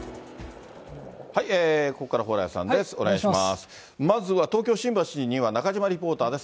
ここからは蓬莱さんです。